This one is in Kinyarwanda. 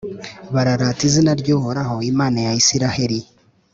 bararata izina ry’Uhoraho, Imana ya Israheli.